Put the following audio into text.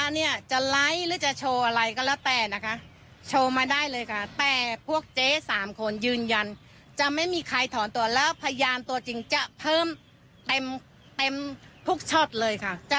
พร้อมทุกคนค่ะพยานในเหตุการณ์จริงพร้อมทุกคนค่ะ